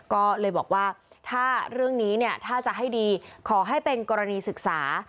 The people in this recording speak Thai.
ก็เลยบอกว่าถ้าเรื่องนี้เนี่ยถ้าจะให้ดีขอให้เป็นกรณีศึกษา